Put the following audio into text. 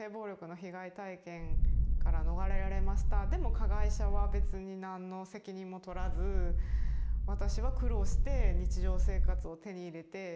加害者は別に何の責任も取らず私は苦労して日常生活を手に入れて。